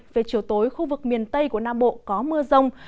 buổi tối khu vực miền tây của nam bộ có mưa rông